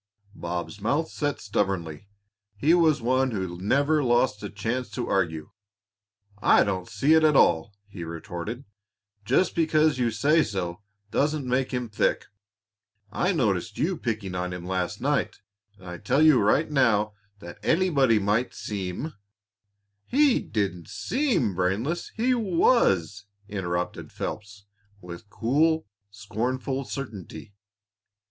Bob's mouth set stubbornly; he was one who never lost a chance to argue. "I don't see it at all!" he retorted. "Just because you say so doesn't make him thick. I noticed you picking on him last night, and I tell you right now that anybody might seem " "He didn't seem brainless he was," interrupted Phelps with cool, scornful certainty.